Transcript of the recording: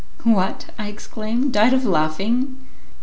"What!" I exclaimed, "died of laughing!"